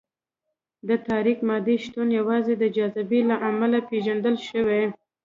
د تاریک مادې شتون یوازې د جاذبې له امله پېژندل شوی.